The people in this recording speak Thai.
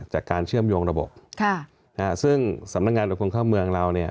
จากการเชื่อมโยงระบบค่ะอ่าซึ่งสำนักงานอุปกรณ์ข้อเมืองเราเนี่ย